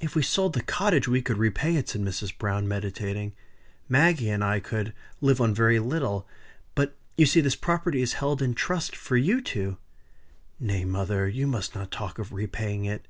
"If we sold the cottage we could repay it," said Mrs. Browne, meditating. "Maggie and I could live on very little. But you see this property is held in trust for you two." "Nay, mother; you must not talk of repaying it.